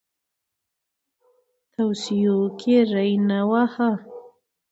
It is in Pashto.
توصیو کې ری ونه واهه.